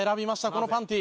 このパンティ。